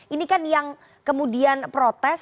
ini kan yang kemudian protes